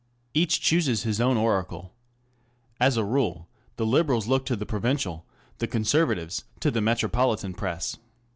Each chooses his own oracle. As a rule, the Liberals look to the provincial, the Conservatives to the metropolitan Press.